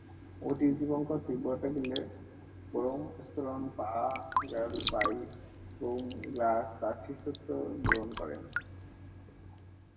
অতীশ দীপঙ্কর তিব্বত গেলে 'ব্রোম-স্তোন-পা-র্গ্যল-বা'ই-'ব্যুং-গ্নাস তার শিষ্যত্ব গ্রহণ করেন।